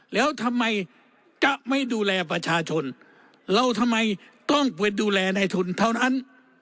แล้วทำไมจะไม่ดูแลประชาชนเราทำไมต้องไปดูแลในทุนเท่านั้น